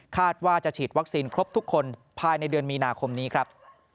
ว่าจะฉีดวัคซีนครบทุกคนภายในเดือนมีนาคมนี้ครับ